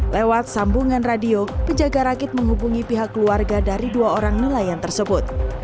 lewat sambungan radio penjaga rakit menghubungi pihak keluarga dari dua orang nelayan tersebut